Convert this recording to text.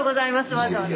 わざわざ。